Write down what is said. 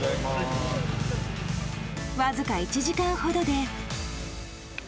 わずか１時間ほどで。